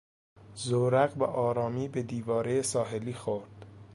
زورق به آرامی به دیوارهی ساحلی خورد.